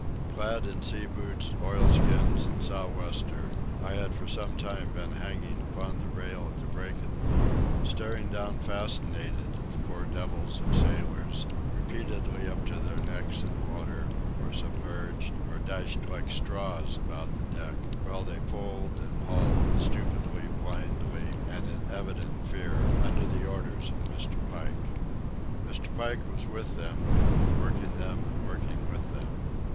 Clad in sea boots, oilskins and sou'wester, I had for some time been hanging upon the rail at the break of the poop, staring down fascinated at the poor devils of sailors, repeatedly up to their necks in water, or submerged, or dashed like straws about the deck, while they pulled and hauled, stupidly, blindly, and in evident fear, under the orders of Mr. Pike. Mr. Pike was with them, working them and working with them.